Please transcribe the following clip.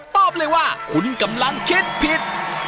ตอบเลยว่าคุณกำลังคิดผิด